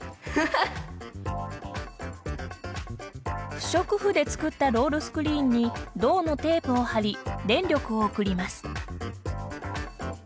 不織布で作ったロールスクリーンに銅のテープを張り電力を送ります。